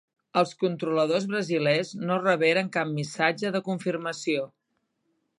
Els controladors brasilers no reberen cap missatge de confirmació.